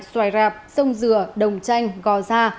xoài rạp sông dừa đồng chanh gò ra